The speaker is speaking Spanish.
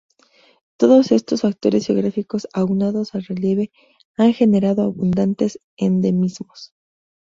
Todos estos factores geográficos aunados al relieve han generado abundantes endemismos.